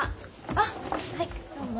あっはいどうも。